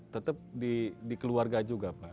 tetap di keluarga juga